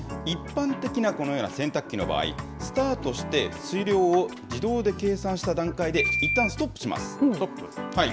一般的なこのような洗濯機の場合、スタートして水量を自動で計算した段階でいったんストップします。